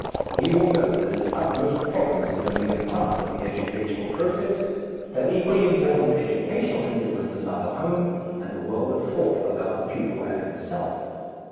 He will know that his utmost province is only a part of the educational process, that equally important educational influences are the home and the world of thought about the pupil and himself.